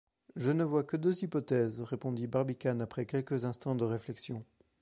Je ne vois que deux hypothèses, répondit Barbicane après quelques instants de réflexion.